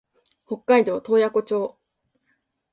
北海道洞爺湖町